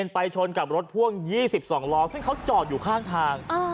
ไปชนกับรถพ่วง๒๒ล้อซึ่งเขาจอดอยู่ข้างทาง